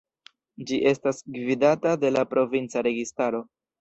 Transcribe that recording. Ĝi estas gvidata de la provinca registaro.